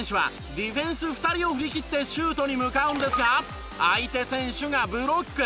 ディフェンス２人を振り切ってシュートに向かうんですが相手選手がブロック。